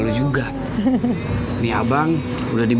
lanjut makan dulu ya